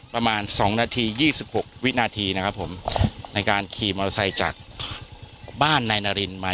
ประมาณ๒นาที๒๖วินาทีนะครับผมในการขี่มอเตอร์ไซค์จากบ้านนายนารินมา